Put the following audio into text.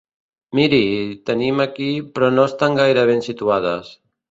Miri, tenim aquí, però no estan gaire ben situades.